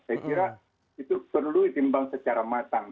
saya kira itu perlu ditimbang secara matang